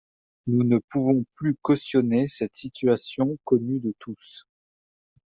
Nous ne pouvons plus cautionner cette situation connue de tous.